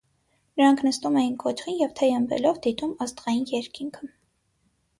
Նրանք նստում էին կոճղին և թեյ ըմպելով դիտում աստղային երկինքը։